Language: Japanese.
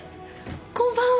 こんばんは。